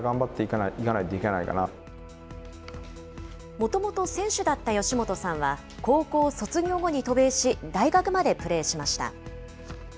もともと選手だった吉本さんは高校卒業後に渡米し、大学までプレーしました。